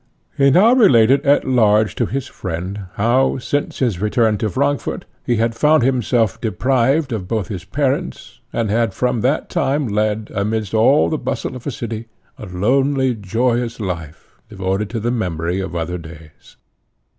He now related at large to his friend, how since his return to Frankfort he had found himself deprived of both his parents, and had from that time led, amidst all the bustle of a city, a lonely joyless life, devoted to the memory of other days.